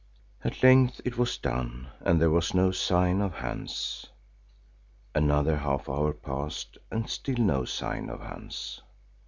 At length it was done and there was no sign of Hans. Another half hour passed and still no sign of Hans.